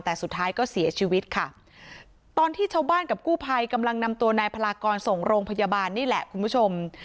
แต่สุดท้ายก็เสียชีวิตค่ะตอนที่ชาวบ้านกับกู้ภัยกำลังนำตัวนายพลากรส่งโรงพยาบาลนี่แหละคุณผู้ชม